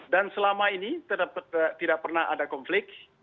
dan selama ini tidak pernah ada konflik